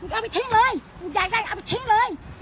เอาไปทิ้งเลยอยากได้เอาไปทิ้งเลย